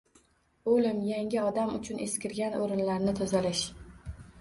O’lim – yangi odam uchun eskirgan o’rinlarni tozalash.